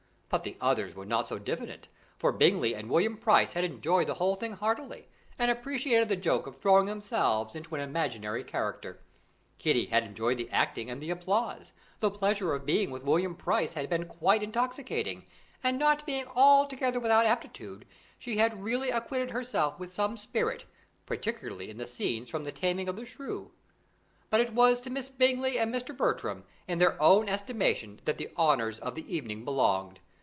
But the others were not so diffident, for Bingley and William Price had enjoyed the whole thing heartily, and appreciated the joke of throwing themselves into an imaginary character. Kitty had enjoyed the acting and the applause, the pleasure of being with William Price had been quite intoxicating, and not being altogether without aptitude, she had really acquitted herself with some spirit, particularly in the scenes from The Taming of the Shrew. But it was to Miss Bingley and Mr. Bertram, in their own estimation, that the honours of the evening belonged.